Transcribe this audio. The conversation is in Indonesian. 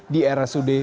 di rsud pelabuhan ratu